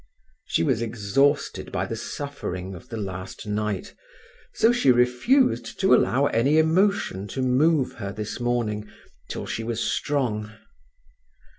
She was exhausted by the suffering of the last night, so she refused to allow any emotion to move her this morning, till she was strong.